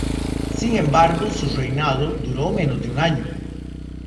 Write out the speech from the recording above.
Sin embargo, su reinado duró menos de un año.